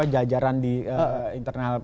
jajaran di internal